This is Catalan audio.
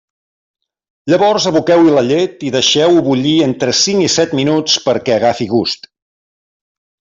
Llavors aboqueu-hi la llet i deixeu-ho bullir entre cinc i set minuts perquè agafi gust.